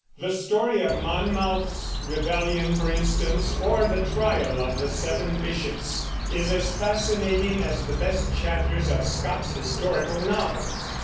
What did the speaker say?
The story of Monmouth's rebellion, for instance, or the trial of the seven bishops, is as fascinating as the best chapters of Scott's historical novels.